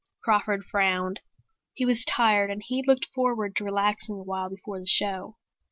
Crawford frowned. He was tired and he'd looked forward to relaxing a while before the show.